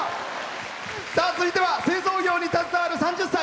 続いては、製造業に携わる３０歳。